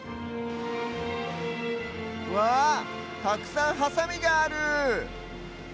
わあたくさんハサミがある！